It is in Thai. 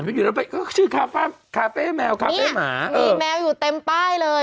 มีแมวอยู่เต็มป้ายเลย